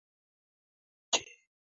লাভ হচ্ছে না।